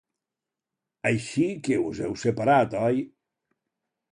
Així que us heu separat, oi?